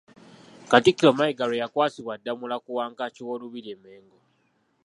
Katikkiro Mayiga lwe yakwasibwa Ddamula ku Wankaaki w'Olubiri e Mmengo.